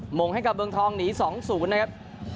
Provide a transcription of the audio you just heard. หงให้กับเมืองทองหนี๒๐นะครับ